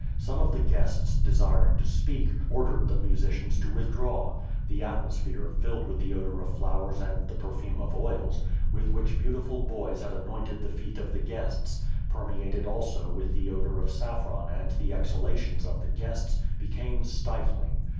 Some of the guests, desiring to speak, ordered the musicians to with draw. The atmosphere, filled Mith the odor of flowers and the perfume of oils, with which beautiful boys had anointed the feet of the guests, permeated also with the odor of saf fron and the exhalations of the guests, became stifling.